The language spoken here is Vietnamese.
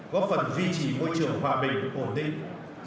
góp phần duy trì môi trường hòa bình ổn định